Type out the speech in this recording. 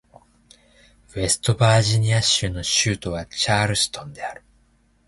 ウェストバージニア州の州都はチャールストンである